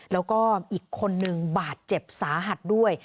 แล้วก็อีกคนนึงบาดเจ็บสาหัสด้วย